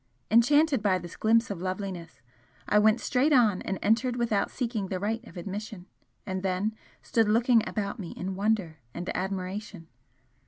Enchanted by this glimpse of loveliness, I went straight on and entered without seeking the right of admission, and then stood looking about me in wonder and admiration.